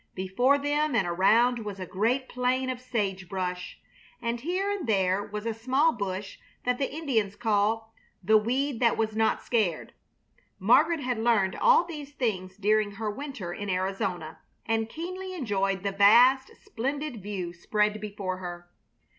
Before them and around was a great plain of sage brush, and here and there was a small bush that the Indians call "the weed that was not scared." Margaret had learned all these things during her winter in Arizona, and keenly enjoyed the vast, splendid view spread before her.